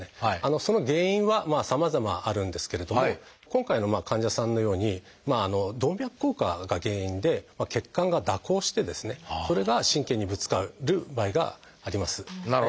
その原因はさまざまあるんですけれども今回の患者さんのように「動脈硬化」が原因で血管が蛇行してですねそれが神経にぶつかる場合があります。